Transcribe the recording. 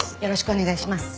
お願いします。